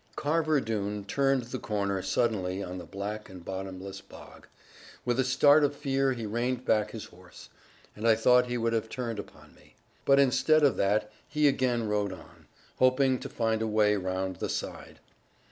Carver Doone turned the corner suddenly on the black and bottomless bog; with a start of fear he reined back his horse, and I thought he would have turned upon me. But instead of that, he again rode on, hoping to find a way round the side.